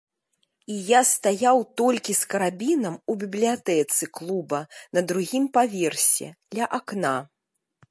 І я стаяў толькі з карабінам у бібліятэцы клуба, на другім паверсе, ля акна.